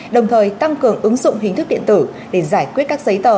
đồng thời tăng cường ứng dụng hình thức điện tử để giải quyết các giấy tờ